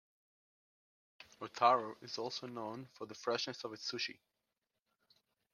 Otaru is also known for the freshness of its sushi.